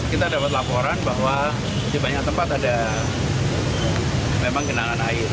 kita dapat laporan bahwa di banyak tempat ada memang genangan air